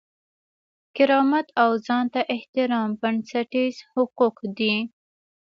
کرامت او ځان ته احترام بنسټیز حقوق دي.